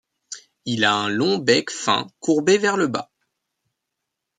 Il a une long bec fin courbé vers le bas.